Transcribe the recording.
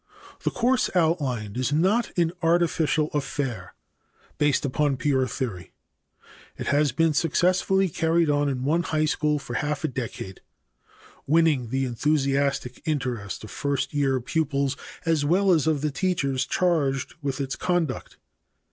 The course outlined is not an artificial affair based upon pure theory. It has been successfully carried on in one high school for half a decade, winning the enthusiastic interest of first year pupils as well as of the teachers charged with its conduct.